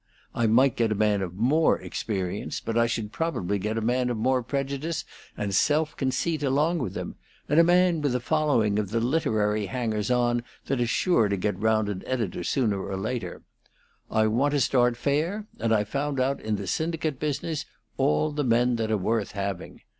I might get a man of more experience, but I should probably get a man of more prejudice and self conceit along with him, and a man with a following of the literary hangers on that are sure to get round an editor sooner or later. I want to start fair, and I've found out in the syndicate business all the men that are worth having.